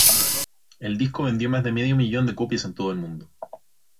El disco vendió más de medio millón de copias en todo el mundo.